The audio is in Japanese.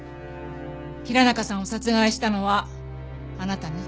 平中さんを殺害したのはあなたね？